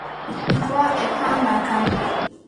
لیکوال ابهام راکم کړي.